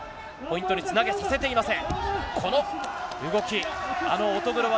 アリエフが来た、ポイントにつなげさせていません。